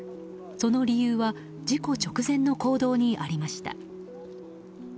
その理由は事故直前の行動にありました。